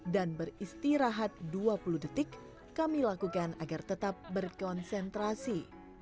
dan beristirahat dua puluh detik kami lakukan agar tetap berkonsentrasi